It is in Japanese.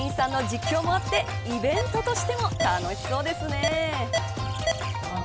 店員さんの実況もあってイベントとしても楽しそうですね。